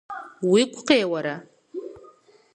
– Уигу къеуэрэ?